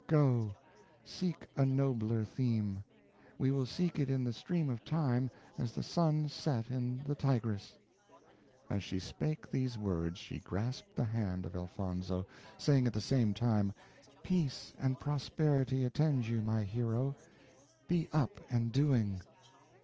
Go, seek a nobler theme! we will seek it in the stream of time, as the sun set in the Tigris." As she spake these words she grasped the hand of Elfonzo, saying at the same time "Peace and prosperity attend you, my hero; be up and doing!"